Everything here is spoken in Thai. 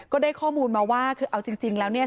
ก็ได้ข้อมูลมาว่าคือเอาจริงแล้วเนี่ย